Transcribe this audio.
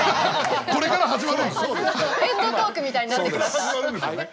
これから始まるんですよね。